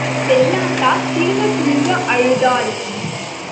செல்லாத்தா குலுங்கக் குலுங்க அழுதாள்.